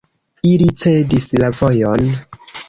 Ili cedis la vojon.